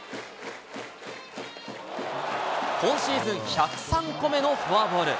今シーズン１０３個目のフォアボール。